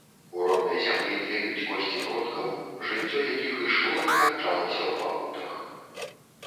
У роднай зямлі тлеюць косці продкаў, жыццё якіх ішло і канчалася ў пакутах.